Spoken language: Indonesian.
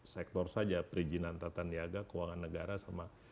sektor saja perizinan tata niaga keuangan negara sama